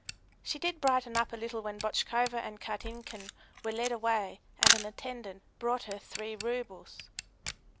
She did brighten up a little when Botchkova and Kartinkin were led away and an attendant brought her three roubles.